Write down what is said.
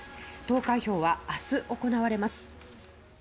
投開票は明日行われます。